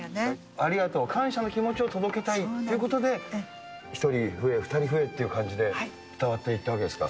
ありがとう、感謝の気持ちを届けたいということで、１人増え、２人増えっていう感じで伝わっていったわけですか。